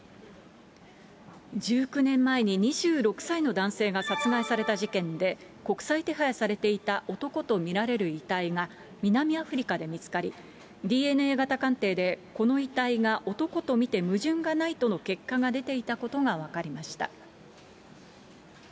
１９年前に２６歳の男性が殺害された事件で、国際手配されていた男と見られる遺体が、南アフリカで見つかり、ＤＮＡ型鑑定で、この遺体が男と見て矛盾がないとの結果が出ていたことが分かりました。